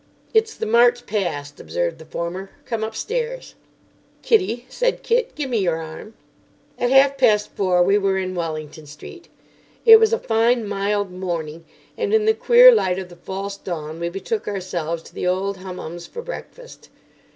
"It's the march past," observed the former. "Come upstairs." "Kiddie," said Kit, "give me your arm." At half past four we were in Wellington Street. It was a fine, mild morning, and in the queer light of the false dawn we betook ourselves to the Old Hummums for breakfast.